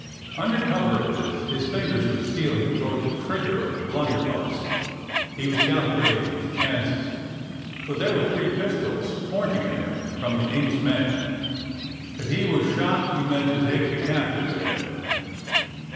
Under cover of this his fingers were stealing toward the trigger of the blunderbuss. He was calculating his chances, for there were three pistols pointing at him from the King's men. If he was shot, he meant to take the captain with him.